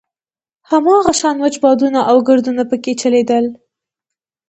هماغه شان وچ بادونه او ګردونه په کې چلېدل.